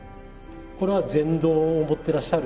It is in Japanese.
これは禅堂を持ってらっしゃる。